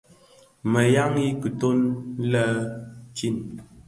Medyan i kiton lonkin.